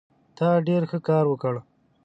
ته ډېر ښه کار وکړ.